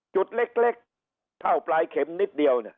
จุดเล็กเท่าปลายเข็มนิดเดียวเนี่ย